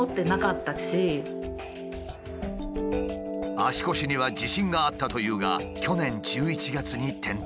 足腰には自信があったというが去年１１月に転倒。